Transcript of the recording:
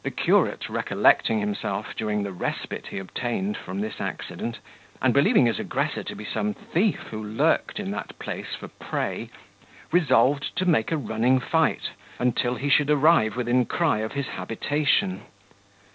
The curate recollecting himself during the respite he obtained from this accident, and believing his aggressor to be some thief who lurked in that place for prey, resolved to make a running fight, until he should arrive within cry of his habitation.